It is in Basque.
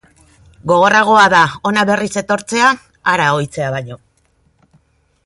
Gogorragoa da hona berriz etortzea, hara ohitzea baino.